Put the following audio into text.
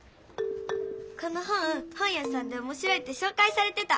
この本本やさんでおもしろいってしょうかいされてた。